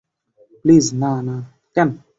Please না, না।